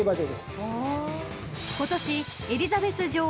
［今年エリザベス女王